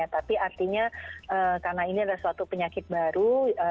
tapi artinya karena ini adalah suatu penyakit baru